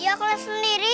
iya aku naik sendiri